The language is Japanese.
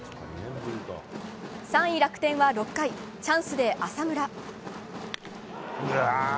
３位、楽天は６回チャンスで浅村。